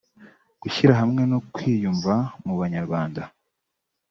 gushyira hamwe no kwiyumva mu Bunyarwanda